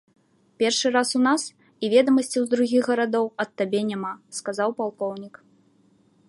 Першы раз у нас, і ведамасцяў з другіх гарадоў аб табе няма, — сказаў палкоўнік.